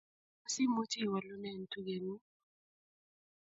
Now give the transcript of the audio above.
tos imuch iwolunen tuge ng'ung'?